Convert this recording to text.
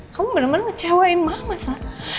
kamu bener bener ngecewain mama sa